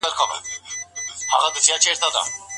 د نظافت او نظم مزاج څنګه پېژندل کېږي؟